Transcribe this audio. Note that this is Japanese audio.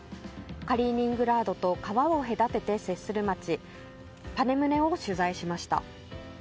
カリーニングラードと川を隔てて接する街パネムネを取材しました。